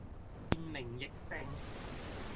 變名易姓